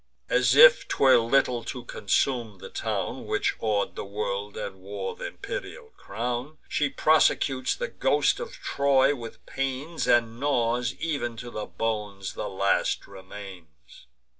As if 'twere little to consume the town Which aw'd the world, and wore th' imperial crown, She prosecutes the ghost of Troy with pains, And gnaws, ev'n to the bones, the last remains.